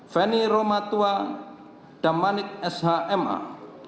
feni romatua damanik shmh